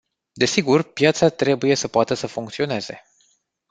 Desigur, piața trebuie să poată să funcționeze.